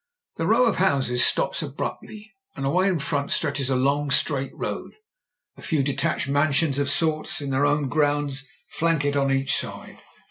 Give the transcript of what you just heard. The row of houses stops abruptly, and away in front stretches a long straight road. A few detached mansions of sorts, in their own grounds, flank it on each side.